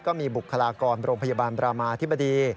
บุคลากรโรงพยาบาลบรามาธิบดี